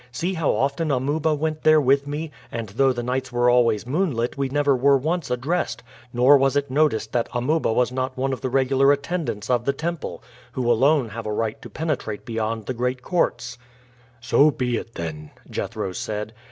See how often Amuba went there with me, and though the nights were always moonlit we never were once addressed, nor was it noticed that Amuba was not one of the regular attendants of the temple, who alone have a right to penetrate beyond the great courts." "So be it, then," Jethro said.